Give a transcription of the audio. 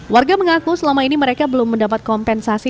warga mengaku selama ini mereka belum mendapat kompensasi